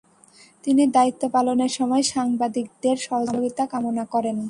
তিনি দায়িত্ব পালনের সময় সাংবাদিকদের সহযোগিতা কামনা করেন।